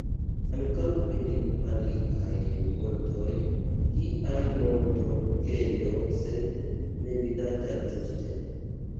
Ankaŭ en aliaj montoj, kiaj Monto Kenjo sed ne vidata ĵuse.